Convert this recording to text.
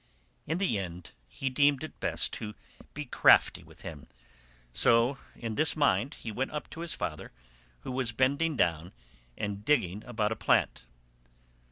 In the end he deemed it best to be crafty with him, so in this mind he went up to his father, who was bending down and digging about a plant.